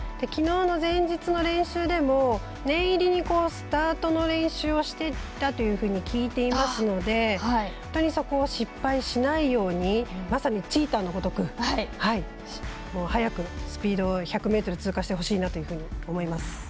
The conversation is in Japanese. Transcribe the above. きのうの前日の練習でも念入りにスタートの練習はしてたというふうに聞いていますので本当に、そこを失敗しないようにまさにチーターのごとく速く１００ｍ通過してほしいなと思います。